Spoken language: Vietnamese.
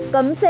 cấm xe máy